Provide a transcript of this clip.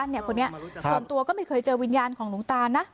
คนนี้ส่วนตัวก็ไม่เคยเจอวิญญาณของหลวงตานะ